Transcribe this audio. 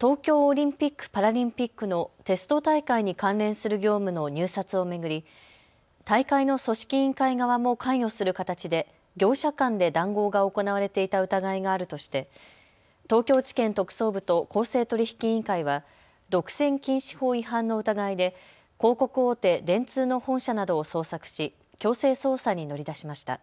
東京オリンピック・パラリンピックのテスト大会に関連する業務の入札を巡り大会の組織委員会側も関与する形で業者間で談合が行われていた疑いがあるとして東京地検特捜部と公正取引委員会は独占禁止法違反の疑いで広告大手、電通の本社などを捜索し強制捜査に乗り出しました。